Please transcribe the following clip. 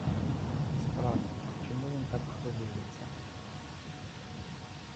І справді, чому він так хвилюється?